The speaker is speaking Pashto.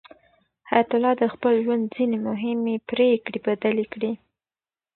حیات الله د خپل ژوند ځینې مهمې پرېکړې بدلې کړې.